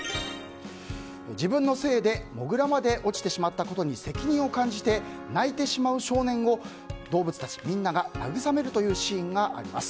自分のせいでモグラまで落ちてしまったことに責任を感じて泣いてしまう少年を動物たちみんなが慰めるというシーンがあります。